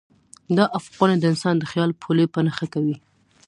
دا افقونه د انسان د خیال پولې په نښه کوي.